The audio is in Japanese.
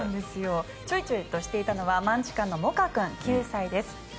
ちょいちょいしていたのはマンチカンのモカ君、９歳です。